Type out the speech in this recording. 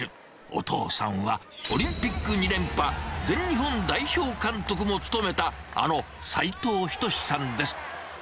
お父さんは、オリンピック２連覇、全日本代表監督も務めた、あの斉藤仁さんです。